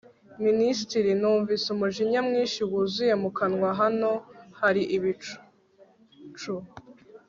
minisitiri, numvise umujinya mwinshi wuzuye mu kanwa. hano hari ibicucu